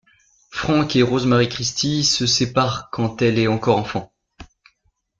Frank et Rosemary Christie se séparent quand elle est encore enfant.